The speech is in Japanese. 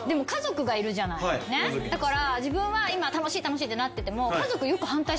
だから。